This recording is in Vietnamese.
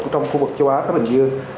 trong khu vực châu á khác hình như